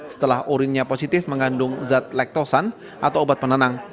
setelah urinnya positif mengandung zat lektosan atau obat penenang